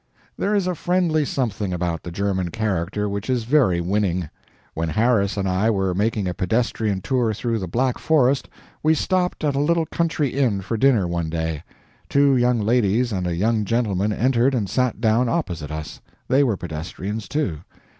There is a friendly something about the German character which is very winning. When Harris and I were making a pedestrian tour through the Black Forest, we stopped at a little country inn for dinner one day; two young ladies and a young gentleman entered and sat down opposite us. They were pedestrians, too.